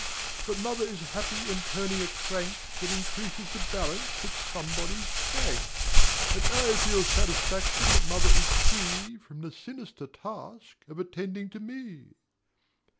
But mother is happy in turning a crank That increases the balance at somebody's bank; And I feel satisfaction that mother is free From the sinister task of attending to me.